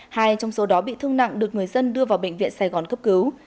hai trong số đó bị thương nặng được người dân đưa vào bệnh viện sài gòn cấp cứu